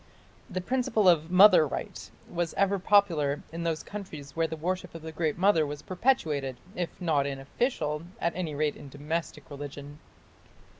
The principle of "mother right" was ever popular in those countries where the worship of the Great Mother was perpetuated if not in official at any rate in domestic religion.